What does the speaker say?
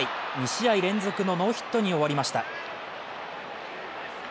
２試合連続のノーヒットに終わりました。